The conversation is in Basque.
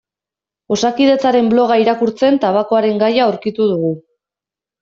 Osakidetzaren bloga irakurtzen tabakoaren gaia aurkitu dugu.